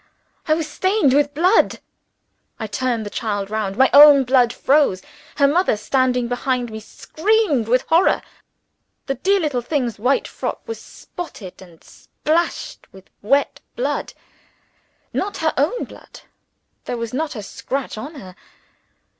I was stained with blood! I turned the child round. My own blood froze. Her mother, standing behind me, screamed with horror. The dear little thing's white frock was spotted and splashed with wet blood. Not her own blood. There was not a scratch on her.